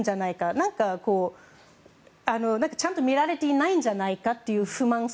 何かちゃんとみられていないんじゃないかという不満層。